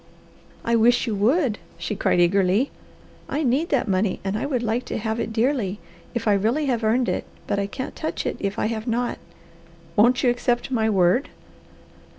"I wish you would!" she cried eagerly. "I need that money, and I would like to have it dearly, if I really have earned it, but I can't touch it if I have not." "Won't you accept my word?"